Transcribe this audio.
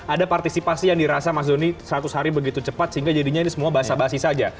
ada partisipasi yang dirasa mas doni seratus hari begitu cepat sehingga jadinya ini semua bahasa bahasa saja